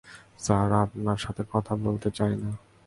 Sir, আপনার সাথে কথা বলতে চাই না।